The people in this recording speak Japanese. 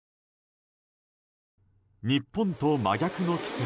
日本と真逆の季節